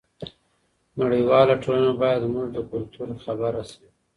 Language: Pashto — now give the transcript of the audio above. نړیواله ټولنه باید زموږ له کلتور خبره شي.